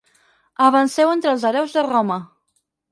Avanceu entre els hereus de Roma.